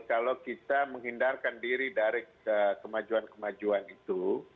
kalau kita menghindarkan diri dari kemajuan kemajuan itu